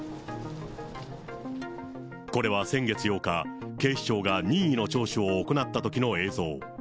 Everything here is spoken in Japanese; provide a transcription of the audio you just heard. これは先月８日、警視庁が任意の聴取を行ったときの映像。